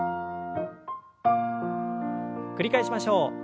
繰り返しましょう。